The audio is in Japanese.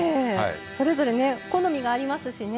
それぞれ好みがありますしね。